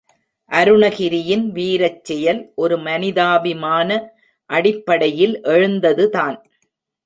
அருணகிரியின் வீரச்செயல் ஒரு மனிதாபிமான அடிப்படையில் எழுந்ததுதான்.